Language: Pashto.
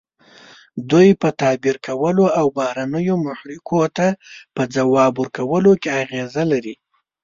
دوی په تعبیر کولو او بهرنیو محرکو ته په ځواب ورکولو کې اغیزه لري.